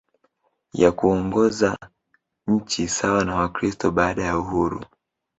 ya kuongoza nchi sawa na Wakristo baada ya uhuru